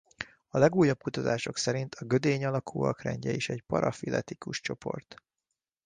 A legújabb kutatások szerint a gödényalakúak rendje is egy parafiletikus csoport.